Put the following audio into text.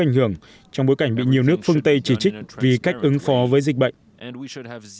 ảnh hưởng trong bối cảnh bị nhiều nước phương tây chỉ trích vì cách ứng phó với dịch bệnh